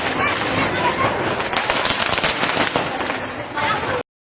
โชคด้วยนะคะ